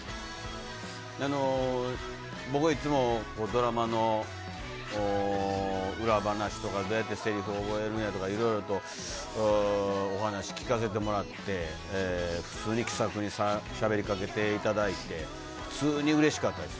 僕はいつもドラマの裏話とか、どうやってせりふ覚えんのやとか、いろいろとお話聞かせてもらって、普通に気さくにしゃべりかけていただいて、普通にうれしかったです。